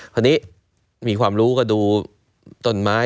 คราวนี้มีความรู้ก็ดูต้นไม้